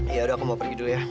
ya udah aku mau pergi dulu ya